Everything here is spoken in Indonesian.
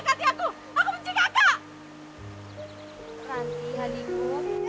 tapi itu tidak bisa